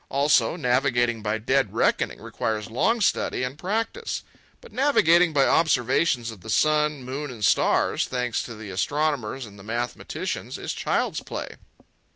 Also, navigating by dead reckoning requires long study and practice. But navigating by observations of the sun, moon, and stars, thanks to the astronomers and mathematicians, is child's play.